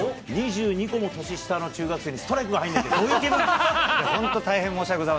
２２個も年下の中学生にストライクが入らないってどういうこと。